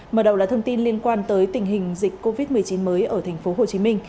mở đầu là thông tin liên quan tới tình hình dịch covid một mươi chín mới ở tp hcm